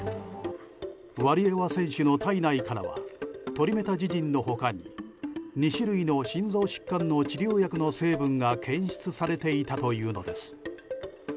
ワリエワ選手の体内からはトリメタジジンの他に２種類の心臓疾患の治療薬の成分が検出されていたというのです。